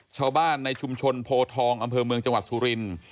ชาวบ้านในชุมชนโพทองอำเภอเมืองจังหวัดสุรินทร์